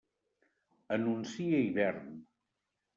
Anuncia hivern.